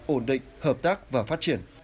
ổn định hợp tác và phát triển